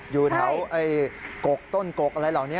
อยู่เท่ากกต้นกกแล้วเหล่านี้